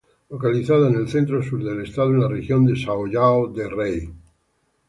Localizada en el centro-sur del estado, en la región de São João del-Rei.